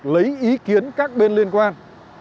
lấy ý kiến các bên liên quan